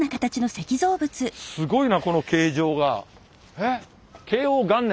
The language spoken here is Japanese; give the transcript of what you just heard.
すごいなこの形状が。